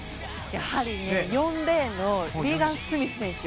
やはり４レーンのリーガン・スミス選手。